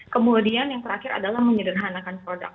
kemudian yang terakhir adalah menyederhanakan produk